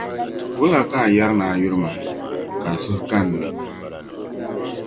Wula ka a yɛri ni a yuri ma ka a suhu ka n ni?